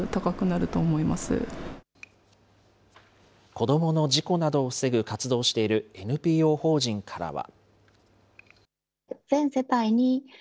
子どもの事故などを防ぐ活動をしているＮＰＯ法人からは。